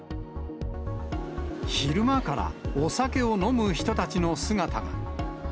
昼間からお酒を飲む人たちの姿が。